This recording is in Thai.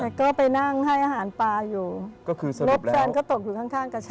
แต่ก็ไปนั่งให้อาหารปลาอยู่เล็บแซนก็ตกอยู่ข้างกระชังให้ค่ะ